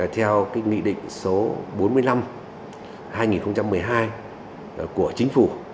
theo nghị định số bốn mươi năm hai nghìn một mươi hai của chính phủ